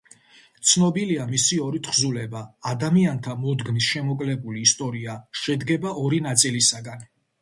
ცნობილია მისი ორი თხზულება: „ადამიანთა მოდგმის შემოკლებული ისტორია“, შედგება ორი ნაწილისაგან.